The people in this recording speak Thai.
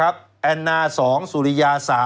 แอนนา๒สุริยา๓